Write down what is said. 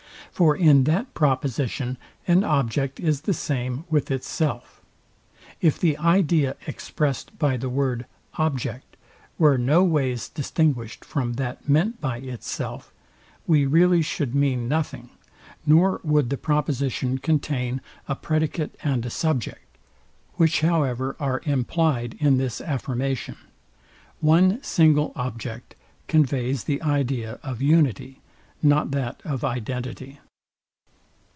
For in that proposition, an object is the same with itself, if the idea expressed by the word, object, were no ways distinguished from that meant by itself; we really should mean nothing, nor would the proposition contain a predicate and a subject, which however are implyed in this affirmation. One single object conveys the idea of unity, not that of identity.